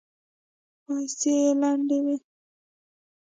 پايڅې يې لندې وې.